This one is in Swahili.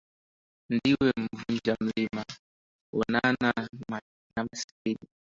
Ndiwe mvunja mlima, onana na masikini